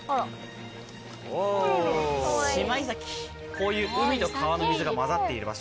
こういう海と川の水が混ざっている場所